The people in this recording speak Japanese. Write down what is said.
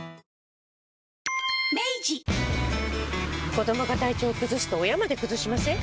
子どもが体調崩すと親まで崩しません？